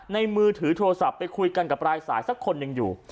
มือถือโทรศัพท์ไปคุยกันกับปลายสายสักคนหนึ่งอยู่